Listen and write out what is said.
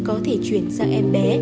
có thể chuyển sang em bé